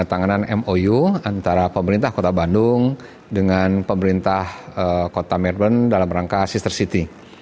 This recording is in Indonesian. antara pemerintah kota bandung dengan pemerintah kota melbourne dalam rangka sister city